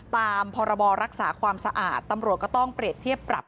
ตามพรบรักษาความสะอาดตำรวจก็ต้องเปรียบเทียบปรับ